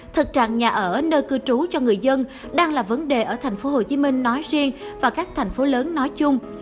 thực trạng nhà ở nơi cư trú cho người dân đang là vấn đề ở tp hcm nói riêng và các thành phố lớn nói chung